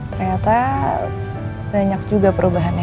ternyata banyak juga perubahannya